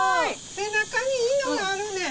背中にいいのがあるねん。